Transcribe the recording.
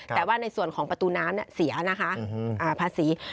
แต่ว่าในส่วนของประตูน้ำเสียนะคะภาษี